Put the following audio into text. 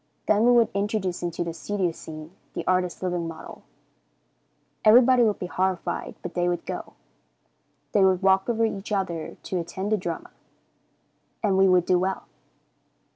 Then we would introduce into the studio scene the artist's living model. Everybody would be horrified, but they would go. They would walk over each other to attend the drama, and we would do well.